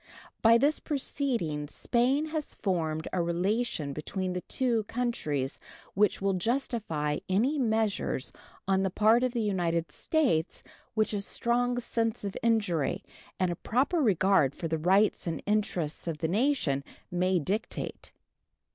By this proceeding Spain has formed a relation between the two countries which will justify any measures on the part of the United States which a strong sense of injury and a proper regard for the rights and interests of the nation may dictate.